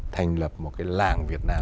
thành lập một cái làng việt nam